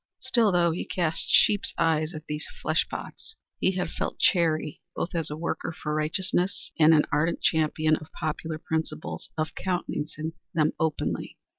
Still, though he cast sheep's eyes at these flesh pots, he had felt chary, both as a worker for righteousness and an ardent champion of popular principles, of countenancing them openly.